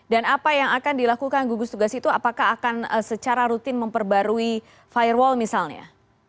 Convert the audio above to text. dan apa yang akan dilakukan gugus tugas itu apakah akan secara rutin memperbarui firewall misalnya